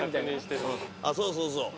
あっそうそうそう。